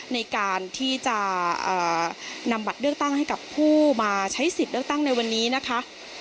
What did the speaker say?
ในการที่จะนำบัตรเลือกตั้งให้กับผู้มาใช้สิทธิ์เลือกตั้งในวันนี้นะคะ